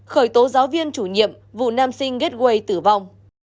khởi tố giáo viên chủ nhiệm vụ nam sinh ghét quây tử vong